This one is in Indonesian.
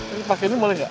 ini pakai ini boleh gak